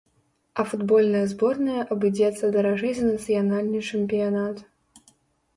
А футбольная зборная абыдзецца даражэй за нацыянальны чэмпіянат.